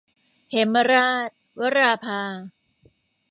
เหมราช - วราภา